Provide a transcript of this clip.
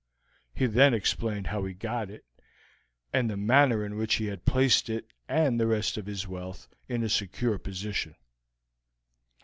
He then explained how he got it, and the manner in which he had placed it and the rest of his wealth in a secure position.